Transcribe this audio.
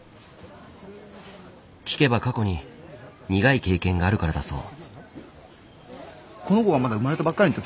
聞けば過去に苦い経験があるからだそう。